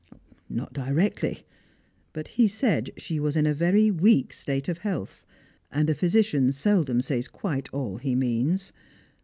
" Not directly ; Uit he said she was in a very weak state ot health, and a physician seldom says quite all he means.